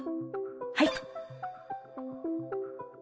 はい。